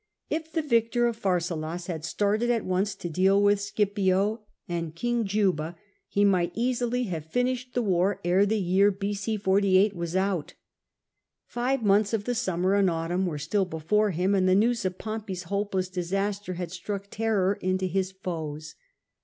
If the victor of Pharsalus had started at CJESAE AT ALEXANDRIA 331 once to deal with Scipio and King Juba, he might easily have finished the war ere the year B.c. 48 was out. Five months of the summer and autumn were still before him, and the news of Pompey's hopeless disaster had struck terror into his foes.